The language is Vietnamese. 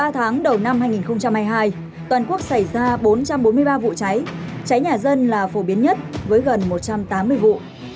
ba tháng đầu năm hai nghìn hai mươi hai toàn quốc xảy ra bốn trăm bốn mươi ba vụ cháy cháy nhà dân là phổ biến nhất với gần một trăm tám mươi vụ